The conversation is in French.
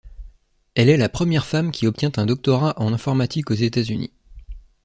Elle est la première femme qui obtient un doctorat en informatique aux Etats-Unis.